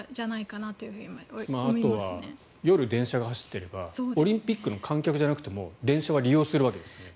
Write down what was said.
あとは夜、電車が走ってればオリンピックの観客じゃなくても電車は利用するわけです。